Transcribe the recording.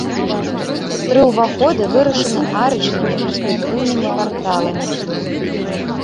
Тры ўваходы вырашаны арачнымі перспектыўнымі парталамі.